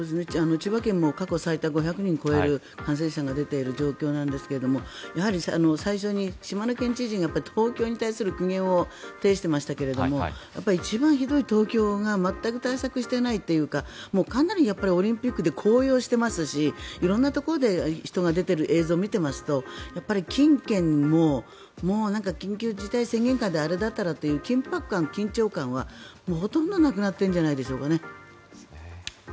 千葉県も過去最多５００人を超える感染者が出ている状況なんですがやはり最初に島根県知事が東京に対する苦言を呈していましたけれども一番ひどい東京が全く対策していないというかかなりオリンピックで高揚していますし色んなところで人が出ている映像を見てますとやっぱり近県も緊急事態宣言下であれだったらという緊迫感、緊張感はほとんどなくなっているんじゃないですかね。